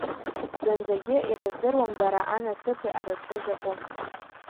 Зынӡагьы ирыздыруам дара анасыԥи аразҟи закәу!